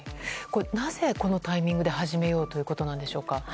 なぜ、このタイミングで始めようということなんでしょうか。